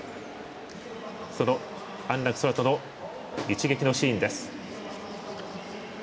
その安楽宙斗の一撃のシーンです。